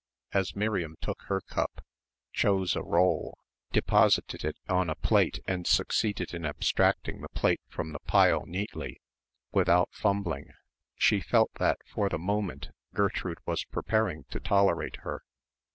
As Miriam took her cup, chose a roll, deposited it on a plate and succeeded in abstracting the plate from the pile neatly, without fumbling, she felt that for the moment Gertrude was prepared to tolerate her.